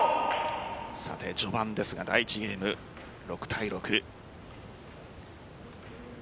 序盤ですが、第１ゲーム６対６。